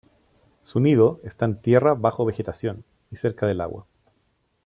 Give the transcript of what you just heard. Su nido está en tierra bajo vegetación, y cerca del agua.